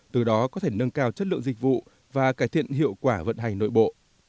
từ đó có thể nâng cao chất lượng dịch vụ và cải thiện hiệu quả vận hành nội bộ